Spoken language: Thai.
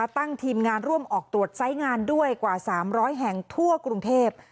ทีมงานร่วมออกตรวจไซส์งานด้วยกว่า๓๐๐แห่งทั่วกรุงเทพ